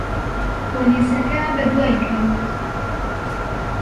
پۆلیسەکە بەدوای کەوت.